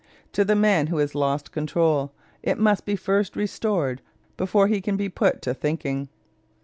To the man who has lost control, it must be first restored before he can be put to thinking.